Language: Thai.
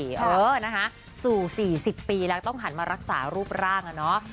เออนะคะสู่๔๐ปีแล้วต้องหันมารักษารูปร่างอะเนาะ